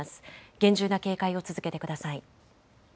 厳重な警戒を続けてください。